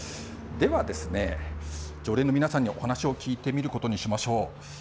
では、常連の皆さんにお話を聞いてみることにしましょう。